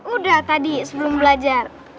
udah tadi sebelum belajar